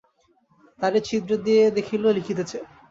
দ্বারের ছিদ্র দিয়া দেখিল লিখিতেছে।